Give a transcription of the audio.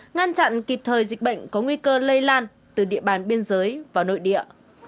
ngăn chặn kịp thời dịch bệnh có nguy cơ lây lan từ địa bàn biên giới vào nội địa